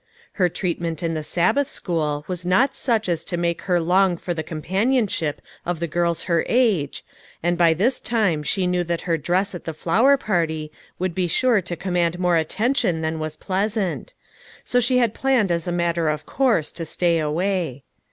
Her treatment in the Sabbath school was not such as to make her long for the compan ionship of the girls of her age, and by this time she knew that her dress at the flower party would be sure to command more attention than was pleasant ; so she had planned as a matter of course to stay away.